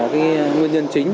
trên địa bàn tỉnh